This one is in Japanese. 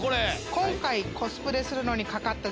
今回。